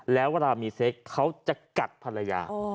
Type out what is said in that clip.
แล้วเวลามีเซ็กเขาจะกัดภรรยา